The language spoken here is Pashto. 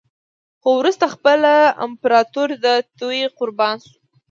خو وروسته خپله امپراتور د توطیې قربان شو.